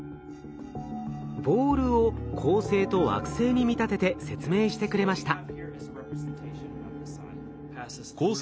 ボールを恒星と惑星に見立てて説明してくれました。